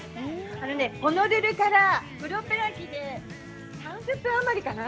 あのね、ホノルルからプロペラ機で３０分余りかな。